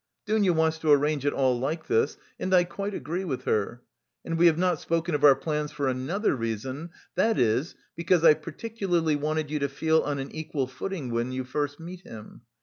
Dounia wants to arrange it all like this and I quite agree with her. And we have not spoken of our plans for another reason, that is, because I particularly wanted you to feel on an equal footing when you first meet him.